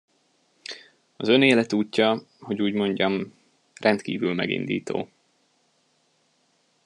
Az ön életútja, hogy úgy mondjam, rendkívül megindító.